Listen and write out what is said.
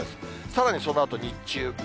さらにそのあと日中。